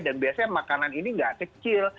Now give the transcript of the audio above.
dan biasanya makanan ini nggak kecil